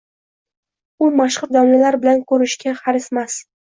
U mashhur domlalar bilan ko‘rishishga harismas.